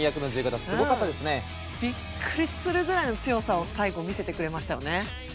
びっくりするぐらいの強さを最後、見せてくれましたよね。